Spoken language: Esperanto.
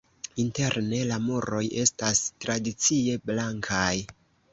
Interne la muroj estas tradicie blankaj.